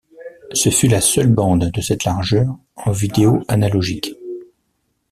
Ce fut la seule bande de cette largeur en vidéo analogique.